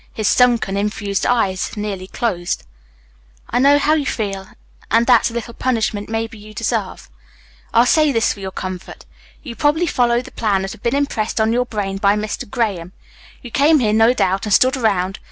His sunken, infused eyes nearly closed. "I know how you feel, and that's a little punishment maybe you deserve. I'll say this for your comfort. You probably followed the plan that had been impressed on your brain by Mr. Graham. You came here, no doubt, and stood around.